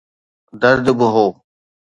درد به هو.